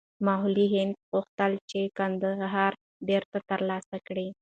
مغولي هند غوښتل چې کندهار بېرته ترلاسه کړي.